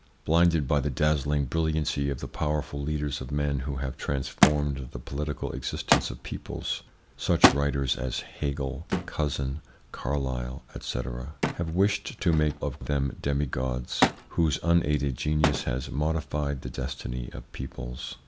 Blinded by the dazzling brilliancy of the powerful leaders of men who have transformed the political existence of peoples, such writers as Hegel, Cousin, Carlyle, &c., have wished to make of them demi gods, whose unaided genius has modified the destiny of peoples.